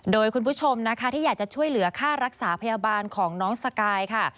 โดยคุณผู้ชมนะคะที่อยากจะช่วยเหลือค่ารักษาพยาบาลของน้องสกายค่ะ